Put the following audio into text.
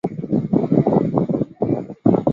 由此得出第二条伦敦方程。